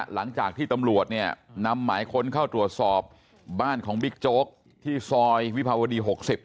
หลังจากที่ตำรวจเนี่ยนำหมายค้นเข้าตรวจสอบบ้านของบิ๊กโจ๊กที่ซอยวิภาวดี๖๐